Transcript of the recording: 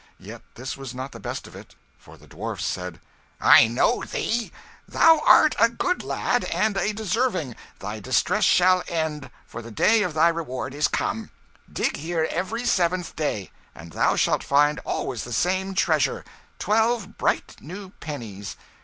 Yet this was not the best of it; for the dwarf said "I know thee. Thou art a good lad, and a deserving; thy distresses shall end, for the day of thy reward is come. Dig here every seventh day, and thou shalt find always the same treasure, twelve bright new pennies.